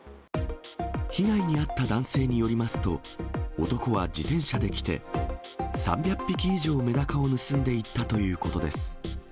被害に遭った男性によりますと、男は自転車で来て、３００匹以上、メダカを盗んでいったということです。